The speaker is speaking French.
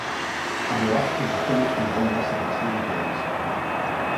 À bord, il va connaître une romance avec Hilly Burns.